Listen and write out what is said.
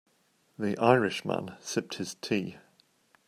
The Irish man sipped his tea.